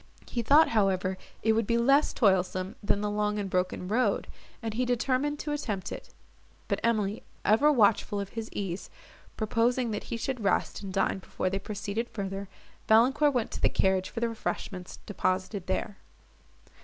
He thought, however, it would be less toilsome than the long and broken road, and he determined to attempt it; but Emily, ever watchful of his ease, proposing that he should rest, and dine before they proceeded further, Valancourt went to the carriage for the refreshments deposited there.